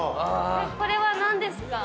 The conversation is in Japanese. これは何ですか？